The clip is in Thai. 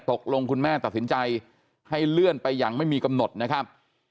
คุณแม่ตัดสินใจให้เลื่อนไปอย่างไม่มีกำหนดนะครับ